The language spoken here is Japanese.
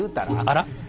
あら。